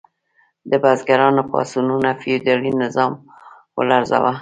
د بزګرانو پاڅونونو فیوډالي نظام ولړزاوه.